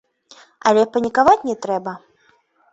Але панікаваць не трэба.